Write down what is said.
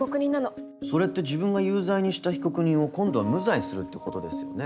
それって自分が有罪にした被告人を今度は無罪にするってことですよね？